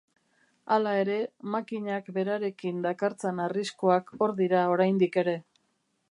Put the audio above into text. Hala ere, makinak berarekin dakartzan arriskuak hor dira oraindik ere.